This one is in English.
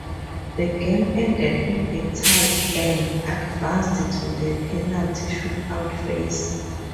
The game ended in a tie, and advanced to the penalty shootout phase.